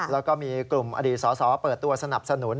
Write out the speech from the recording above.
แล้วก็มีกลุ่มอดีตสอสอเปิดตัวสนับสนุน